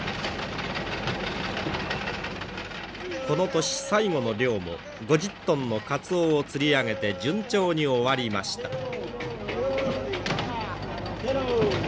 この年最後の漁も５０トンのかつおを釣り上げて順調に終わりました。